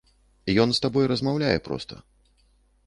Ён з табой размаўляе проста.